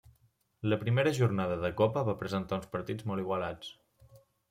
La primera jornada de copa va presentar uns partits molt igualats.